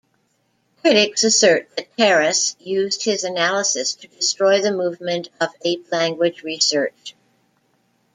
Critics assert that Terrace used his analysis to destroy the movement of ape-language research.